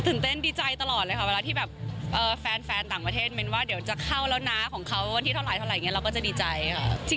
เต้นดีใจตลอดเลยค่ะเวลาที่แบบแฟนต่างประเทศเม้นว่าเดี๋ยวจะเข้าแล้วนะของเขาวันที่เท่าไหรอย่างนี้เราก็จะดีใจค่ะ